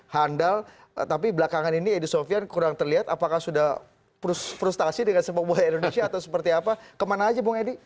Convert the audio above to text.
handal tapi belakangan ini edi sofian kurang terlihat apakah sudah frustasi dengan sepak bola indonesia atau seperti apa kemana aja bung edi